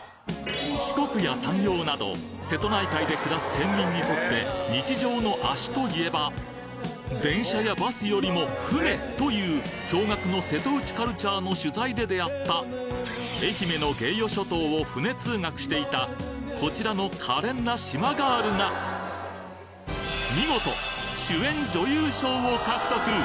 四国や山陽など瀬戸内海で暮らす県民にとって「日常の足」といえば電車やバスよりも船！という驚愕の瀬戸内カルチャーの取材で出会った愛媛のこちらの可憐な島ガールが見事主演女優賞を獲得！